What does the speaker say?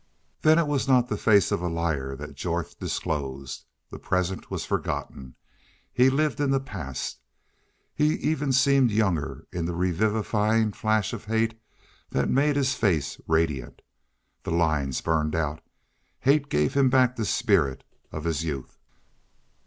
Then it was not the face of a liar that Jorth disclosed. The present was forgotten. He lived in the past. He even seemed younger 'in the revivifying flash of hate that made his face radiant. The lines burned out. Hate gave him back the spirit of his youth.